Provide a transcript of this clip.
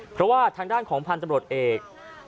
เพราะว่าทางด้านของพันธุ์ตำรวจเอก